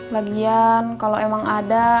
lagian kalau emang ada